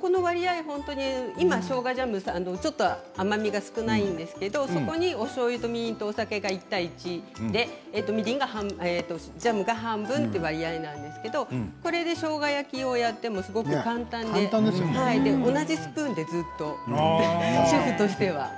この割合、今しょうがジャム甘みが少ないんですけどそこにおしょうゆとみりんとお酒が１対１ジャムが半分という割合なんですけどこれでしょうが焼きをやっても簡単で同じスプーンでずっと主婦としては。